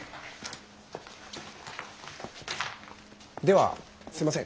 ではすいません